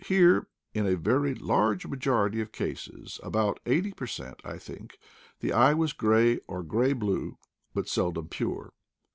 Here, in a very large majority of cases — about eighty per cent. I think — the eye was gray, or gray blue, but seldom pure.